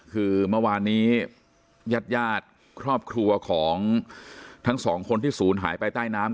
คือเมื่อวานนี้ญาติญาติครอบครัวของทั้งสองคนที่ศูนย์หายไปใต้น้ำ